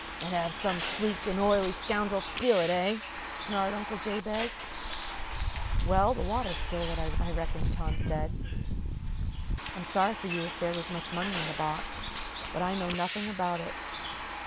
"And have some sleek and oily scoundrel steal it, eh?" snarled Uncle Jabez. "Well, the water stole it, I reckon," Tom said. "I'm sorry for you if there was much money in the box. But I know nothing about it.